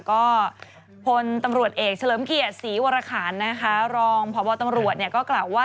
ก็พลตำรวจเอกเฉลิมเกียรติศรีวรคารนะคะรองพบตำรวจก็กล่าวว่า